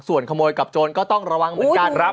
ส่วนขโมยกับโจรก็ต้องระวังเหมือนกันครับ